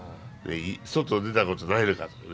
外出たことないのかとかね。